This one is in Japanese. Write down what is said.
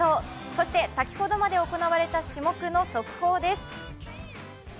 そして先ほどまで行われた種目の速報です。